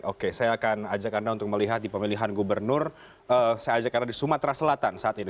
oke saya akan ajak anda untuk melihat di pemilihan gubernur saya ajak anda di sumatera selatan saat ini